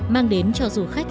mang đến cho du khách